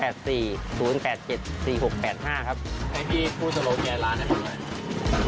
ให้พี่พูดสำหรับเราเกี่ยวกับร้านนี้ครับ